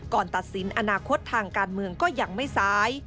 ตัดสินอนาคตทางการเมืองก็ยังไม่ซ้าย